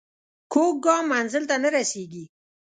کوږ ګام منزل ته نه رسېږي